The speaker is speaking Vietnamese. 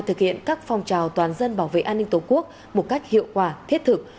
thực hiện các phong trào toàn dân bảo vệ an ninh tổ quốc một cách hiệu quả thiết thực